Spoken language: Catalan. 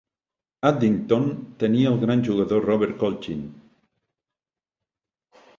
Addington tenia el gran jugador Robert Colchin.